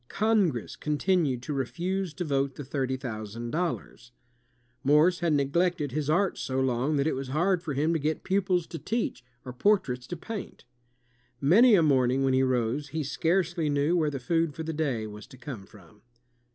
Congress continued to refuse to vote the thirty thousand dollars. Morse had neglected his art so long that it was hard for him to get pupils to teach, or portraits to paint. Many a morning when he rose, he scarcely knew where the food for the day was to come from.